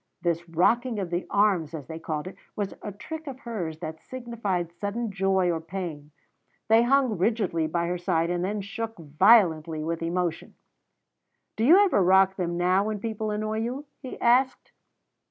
This rocking of the arms, as they called it, was a trick of hers that signified sudden joy or pain. They hung rigid by her side, and then shook violently with emotion. "Do you ever rock them now when people annoy you?" he asked.